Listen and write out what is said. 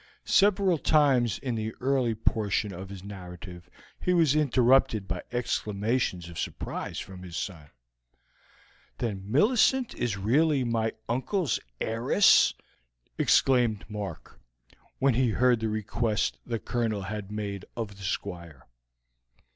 Several times in the early portion of his narrative he was interrupted by exclamations of surprise from his son. "Then Millicent is really my uncle's heiress!" exclaimed Mark, when he heard the request the Colonel had made of the Squire.